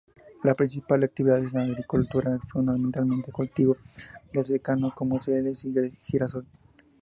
La principal actividad es la agricultura, fundamentalmente, cultivos de secano como cereales y girasol.